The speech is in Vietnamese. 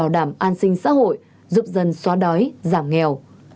đảm an sinh xã hội giúp dân xóa đói giảm nghèo